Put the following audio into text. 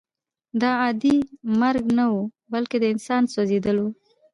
دا عادي مرګ نه و بلکې د انسان سوځېدل وو